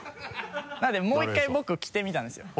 なんでもう１回僕着てみたんですよ。